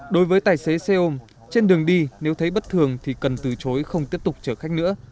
đối với tài xế xe ôm trên đường đi nếu thấy bất thường thì cần từ chối không tiếp tục chở khách nữa